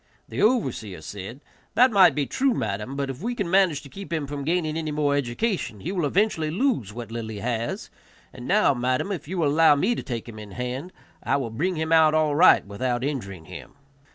The overseer said, "That might be true, madam, but if we can manage to keep him from gaining any more education he will eventually lose what little he has; and now, madam, if you will allow me to take him in hand, I will bring him out all right without injuring him."